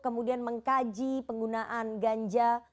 kemudian mengkaji penggunaan ganja